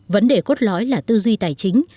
vấn đề cốt lõi là tư duy tài chính